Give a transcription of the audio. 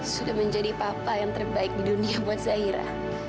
sudah menjadi papa yang terbaik di dunia buat zaira